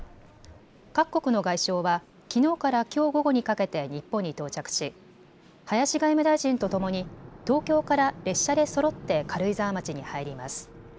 各国の外相はきのうからきょう午後にかけて日本に到着し、林外務大臣とともに東京から列車でそろって軽井沢町に入ります。